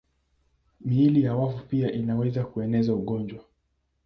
Miili ya wafu pia inaweza kueneza ugonjwa.